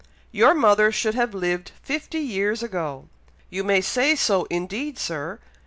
Your mother should have lived fifty years ago." "You may say so, indeed, Sir!